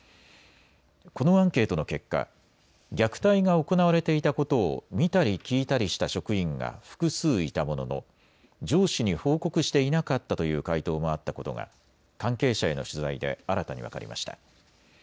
このアンケートの結果、虐待が行われていたことを見たり聞いたりした職員が複数いたものの上司に報告していなかったという回答もあったことが関係者への取材で新たに分かりました。